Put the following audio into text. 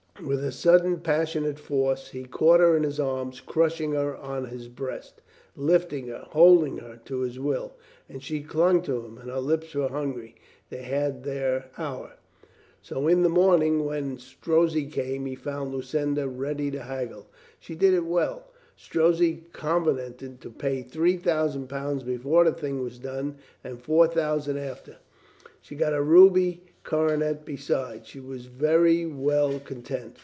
With a sudden passionate force he caught her in his arms, crushing her on his breast, lifting her, holding her to his will. And she clung to him and her lips were hungry. They had their hour. So in the morning, when Strozzi came, he found Lucinda ready to haggle. She did it well. Strozzi covenanted to pay three thousand pounds before the thing was done and four thousand after. She got a ruby coronet beside. He was very well content.